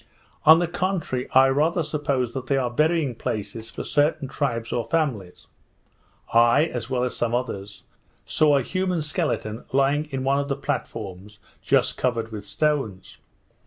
On the contrary, I rather suppose that they are burying places for certain tribes or families. I, as well as some others, saw a human skeleton lying in one of the platforms, just covered with stones.